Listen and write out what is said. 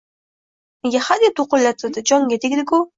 Nega hadeb to’qillatadi? Jonga tegdi-ku?